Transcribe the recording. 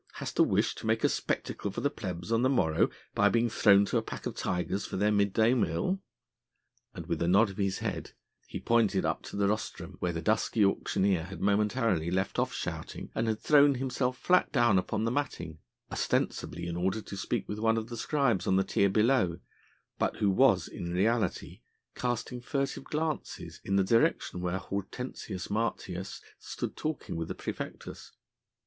Hast a wish to make a spectacle for the plebs on the morrow by being thrown to a pack of tigers for their midday meal?" And with a nod of his head he pointed up to the rostrum where the dusky auctioneer had momentarily left off shouting and had thrown himself flat down upon the matting, ostensibly in order to speak with one of the scribes on the tier below, but who was in reality casting furtive glances in the direction where Hortensius Martius stood talking with the praefectus.